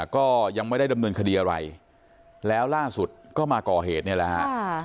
ก็ยังไม่ได้ดำเนินคดีอะไรแล้วล่าสุดก็มาก่อเหตุเนี่ยแหละฮะ